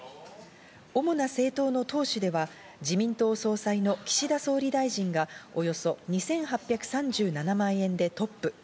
主な政党の党首では自民党総裁の岸田総理大臣がおよそ２８３７万円でトップ。